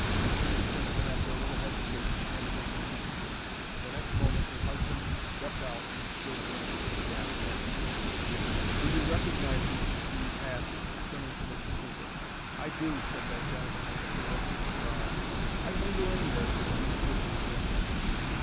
Mrs. Simpson, after a little hesitation, handed him the key, and the next moment her husband stepped out and stood blinking in the gas light. "Do you recognize me?" he asked, turning to Mr. Cooper. "I do," said that gentleman, with a ferocious growl. "I'd know you anywhere," said Mrs. Cooper, with emphasis.